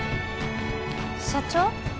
社長。